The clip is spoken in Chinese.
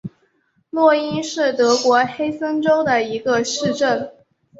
洛因是德国黑森州的一个市镇。